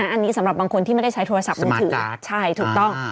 อันนี้สำหรับบางคนไม่ได้ใช้โทรศัพท์มือถือ